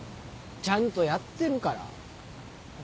ちゃんとやってるから。